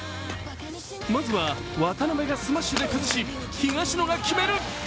まずは渡辺がスマッシュで崩し東野が決める。